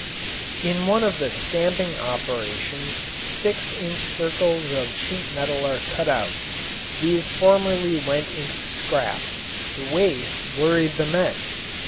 In one of the stamping operations six inch circles of sheet metal are cut out. These formerly went into scrap. The waste worried the men.